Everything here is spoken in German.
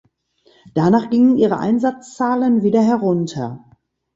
Danach gingen ihre Einsatzzahlen wieder herunter.